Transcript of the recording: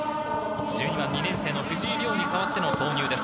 １２番・２年生の藤井瞭に代わっての投入です。